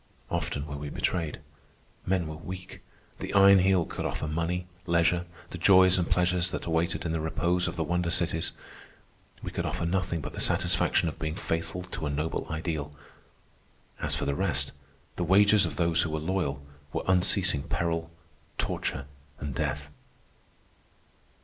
Often were we betrayed. Men were weak. The Iron Heel could offer money, leisure, the joys and pleasures that waited in the repose of the wonder cities. We could offer nothing but the satisfaction of being faithful to a noble ideal. As for the rest, the wages of those who were loyal were unceasing peril, torture, and death.